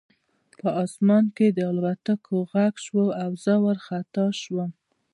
په آسمان کې د الوتکو غږ شو او زه وارخطا شوم